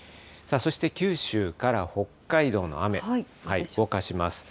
そして九州から北海道の雨、動かします。